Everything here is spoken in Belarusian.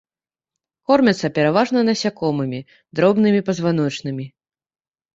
Кормяцца пераважна насякомымі, дробнымі пазваночнымі.